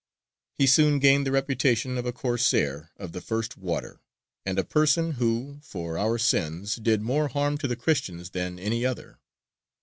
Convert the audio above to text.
He soon gained the reputation of a Corsair of the first water, and "a person, who, for our sins, did more harm to the Christians than any other."